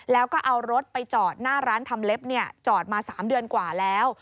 แล้วก็เอารถไปจอดหน้าร้านทำเล็บจอดมา๓เดือนกว่าแล้ว